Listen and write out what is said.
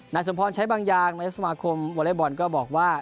สมพรใช้บางอย่างนายกสมาคมวอเล็กบอลก็บอกว่า